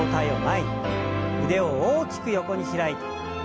腕を大きく横に開いて。